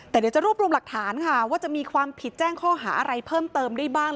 แต่เดี๋ยวจะรวบรวมหลักฐานค่ะว่าจะมีความผิดแจ้งข้อหาอะไรเพิ่มเติมได้บ้าง